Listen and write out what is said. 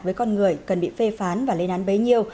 với con người cần bị phê phán và lên án bấy nhiêu